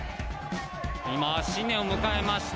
今、新年を迎えました